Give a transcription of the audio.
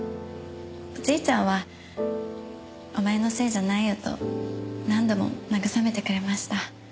おじいちゃんはお前のせいじゃないよと何度も慰めてくれました。